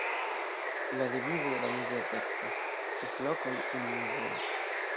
La devizo de la muzeo tekstas: „Ses lokoj, unu muzeo“.